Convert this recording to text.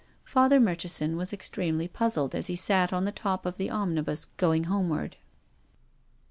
Father Murchison was extremely pu/zlcd as he sat on the top of the omnibus going homeward.